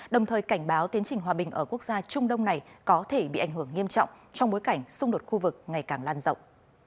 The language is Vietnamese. đồng thời cảnh báo tiến trình hòa bình ở quốc gia trung đông này có thể bị ảnh hưởng nghiêm trọng trong bối cảnh xung đột khu vực ngày càng lan rộng